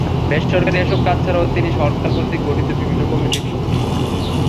বেসরকারি এসব কাজ ছাড়াও তিনি সরকার কর্তৃক গঠিত বিভিন্ন কমিটির সদস্য।